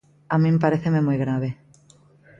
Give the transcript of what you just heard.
A min paréceme moi grave.